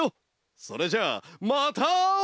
それじゃあまたあおう！